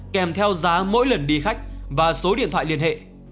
kèm theo giá mỗi lần đi khách và số điện thoại liên hệ